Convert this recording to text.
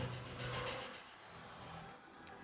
kita akan menanggungnya